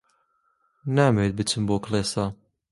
نامەوێت بچم بۆ کڵێسا.